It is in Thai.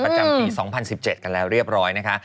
ประจำปี๒๐๑๗กันแล้วเรียบร้อยนะคะ